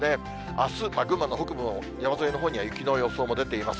あす、群馬の北部の山沿いのほうには雪の予想も出ています。